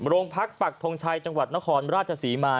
โรงพักปักทงชัยจังหวัดนครราชสีมา